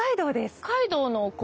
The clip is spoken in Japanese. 北海道のお米？